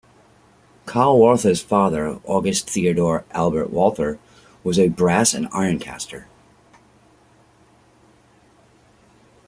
Carl Walther's father, August Theodor Albert Walther, was a brass and iron caster.